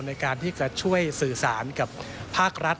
ในการที่จะช่วยสื่อสารกับภาครัฐ